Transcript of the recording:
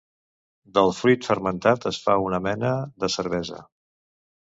Del fruit fermentat es fa una mena de cervesa.